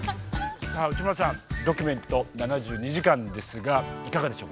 さあ内村さん「ドキュメント７２時間」ですがいかがでしょう？